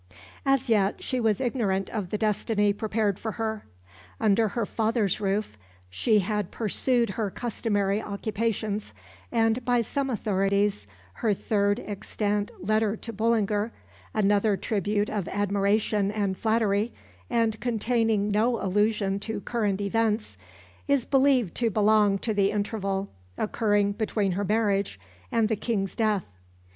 As yet she was ignorant of the destiny prepared for her. Under her father's roof, she had pursued her customary occupations, and by some authorities her third extant letter to Bullinger another tribute of admiration and flattery, and containing no allusion to current events is believed to belong to the interval occurring between her marriage and the King's death.